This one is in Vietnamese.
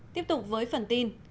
tiếp tục với phần tin